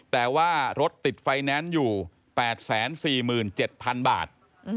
แต่ว่ารถติดไฟแนนซ์อยู่๘๔๗๐๐๐บาท